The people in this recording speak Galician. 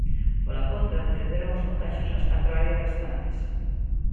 Pola contra, descenderon os contaxios nas catro áreas restantes.